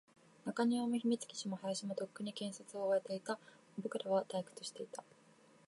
中庭も、秘密基地も、林も、とっくに探索を終えていた。僕らは退屈していた。